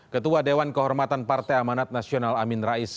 ketua dewan kehormatan partai amanat nasional amin rais